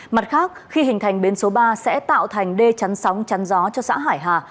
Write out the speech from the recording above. mặt khác khi hình thành bến số ba sẽ tạo thành đê chắn sóng chắn gió cho xã hải hà